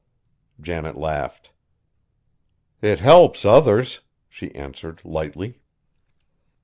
Janet laughed. "It helps others!" she answered lightly.